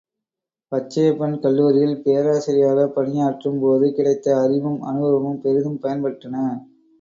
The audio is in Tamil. பச்சையப்பன் கல்லூரியில் பேராசிரியாகப் பணியாற்றும் போது கிடைத்த அறிவும் அனுபவமும் பெரிதும் பயன் பட்டன.